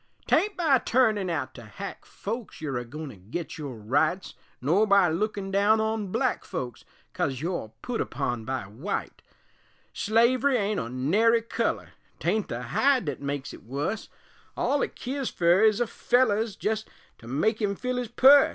'Tain't by turnin' out to hack folks You're agoin' to git your rights Nor by lookin' down on black folks Coz you're put upon by wite; Slavery ain't o' nary color, 'Tain't the hide thet makes it wus, All it keers fer is a feller 'S jest to make him fill his pus.